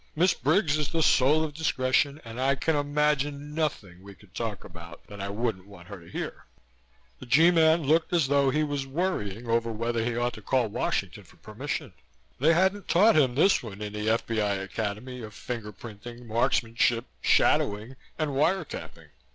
"Miss Briggs is the soul of discretion and I can imagine nothing we could talk about that I wouldn't want her to hear." The G Man looked as though he was worrying over whether he ought to call Washington for permission. They hadn't taught him this one in the F.B.I. academy of finger printing, marksmanship, shadowing and wire tapping.